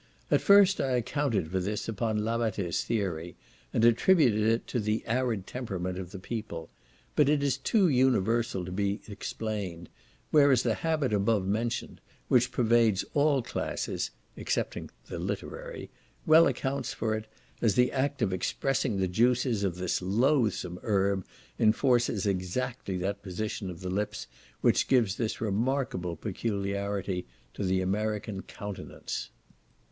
At first I accounted for this upon Lavater's theory, and attributed it to the arid temperament of the people; but it is too universal to be explained; whereas the habit above mentioned, which pervades all classes (excepting the literary) well accounts for it, as the act of expressing the juices of this loathsome herb, enforces exactly that position of the lips, which gives this remarkable peculiarity to the American countenance.